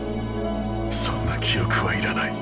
そんな記憶はいらない。